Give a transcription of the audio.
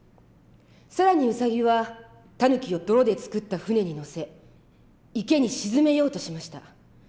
更にウサギはタヌキを泥で作った舟に乗せ池に沈めようとしました。